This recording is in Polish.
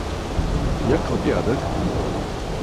Jak obiadek?